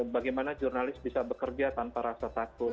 bagaimana jurnalis bisa bekerja tanpa rasa takut